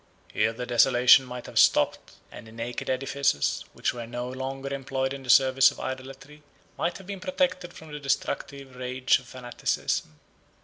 27 Here the desolation might have stopped: and the naked edifices, which were no longer employed in the service of idolatry, might have been protected from the destructive rage of fanaticism.